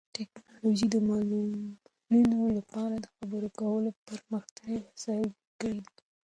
ټیکنالوژي د معلولینو لپاره د خبرو کولو پرمختللي وسایل جوړ کړي دي.